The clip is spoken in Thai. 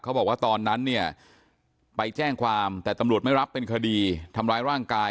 เขาบอกว่าตอนนั้นเนี่ยไปแจ้งความแต่ตำรวจไม่รับเป็นคดีทำร้ายร่างกาย